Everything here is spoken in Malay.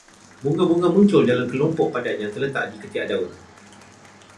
Bunga-bunga muncul dalam kelompok padat yang terletak di ketiak daun